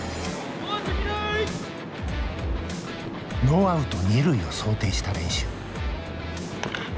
ノーアウト二塁を想定した練習。